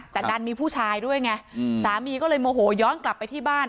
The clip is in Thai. แต่ดันมีผู้ชายด้วยไงสามีก็เลยโมโหย้อนกลับไปที่บ้าน